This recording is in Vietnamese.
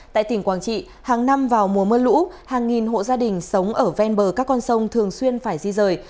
tại tỉnh quảng trị hàng năm vào mùa mưa lũ hàng nghìn hộ gia đình sống ở ven bờ các con sông thường xuyên phải di rời